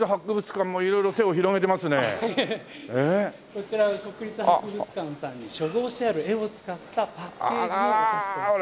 こちらは国立博物館さんに所蔵してある絵を使ったパッケージのお菓子となっております。